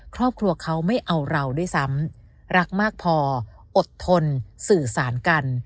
ครอบครัวเขาไม่เอาเราด้วยซ้ำรักมากพออดทนสื่อสารกัน